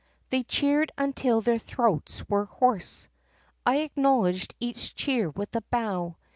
They cheered until their throats were hoarse. "I acknowledged each cheer with a bow.